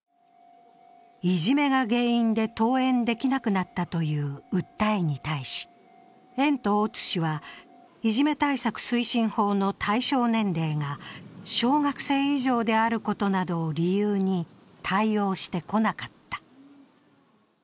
いじめが原因で登園できなくなったという訴えに対し、園と大津市は、いじめ対策推進法の対象年齢が小学生以上であることなどを理由に対応してこなかった。